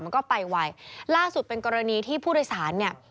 มันก็ไปไวล่าสุดเป็นกรณีที่ผู้โดยสารเนี่ย